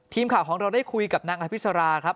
ทีมข่าวของเราได้คุยกับนางอภิษราครับ